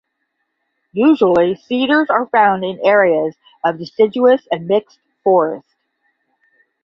Usually cedars are found in areas of deciduous and mixed forest.